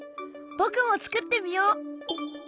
僕も作ってみよう！